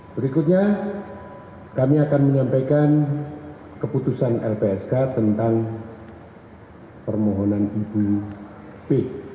berikutnya kami akan menyampaikan keputusan lpsk tentang permohonan ibu p